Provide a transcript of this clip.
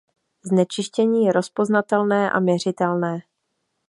Znečištění je rozpoznatelné a měřitelné.